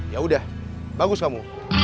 ya udah bagus kamu